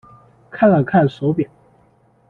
看了看手表